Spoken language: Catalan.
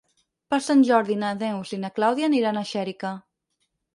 Per Sant Jordi na Neus i na Clàudia aniran a Xèrica.